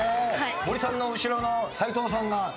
森さんの後ろの斎藤さんが。